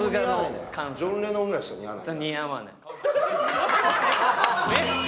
ジョン・レノンぐらいしか似合わない。